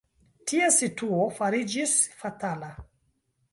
Ties situo fariĝis fatala.